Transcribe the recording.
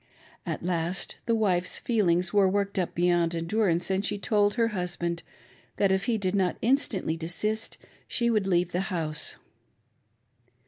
At last the wife's feel ings were worked up beyond endurance, and she told her husband that, if he did not instantly desist, she would leave the house.